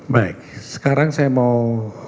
baik sekarang saya mau